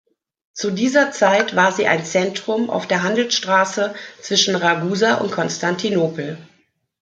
Zu dieser Zeit war sie ein Zentrum auf der Handelsstraße zwischen Ragusa und Konstantinopel.